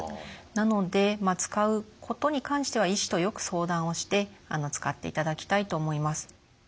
なので使うことに関しては医師とよく相談をして使っていただきたいと思います。